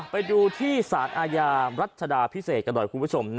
ไปดูที่สารอาญารัชดาพิเศษกันหน่อยคุณผู้ชม